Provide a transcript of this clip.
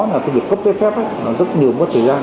cái việc cấp phép phép rất nhiều mất thời gian